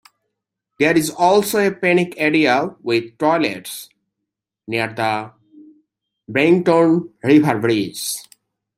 There is also a picnic area, with toilets, near the Barrington River bridge.